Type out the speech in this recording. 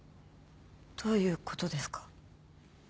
どういうことですか？